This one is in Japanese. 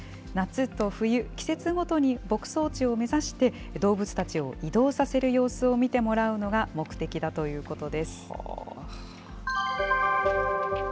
夏と冬、季節ごとに牧草地を目指して、動物たちを移動させる様子を見てもらうのが目的だというこ